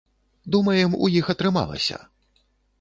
Думаем, у іх атрымалася!